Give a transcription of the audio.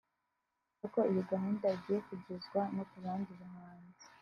avuga ko iyi gahunda igiye kugezwa no ku bandi bahanzi